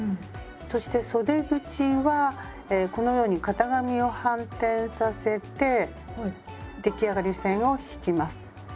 そしてそで口はこのように型紙を反転させて出来上がり線を引きます。